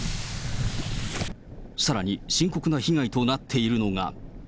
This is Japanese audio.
さらに、深刻な被害となっているのが。